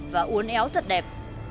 và uốn éo thật đẹp